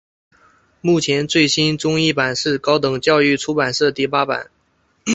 目前最新中译版是高等教育出版社第八版。